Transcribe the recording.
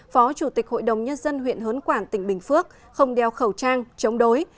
phó chủ tịch hội đồng nhân dân huyện hớn quản tỉnh bình phước không đeo khẩu trang chống đối